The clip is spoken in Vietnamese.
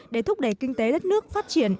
để thúc đẩy kinh tế đất nước phát triển